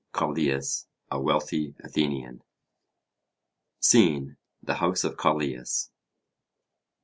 Callias, a wealthy Athenian. SCENE: The House of Callias.